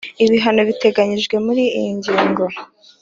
Ibihano biteganyijwe muri iyi ngingo